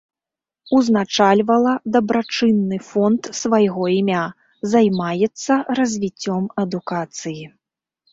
Узначальвала дабрачынны фонд свайго імя, займаецца развіццём адукацыі.